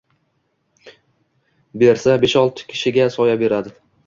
Bersa, besh-olti kishiga soya beradi.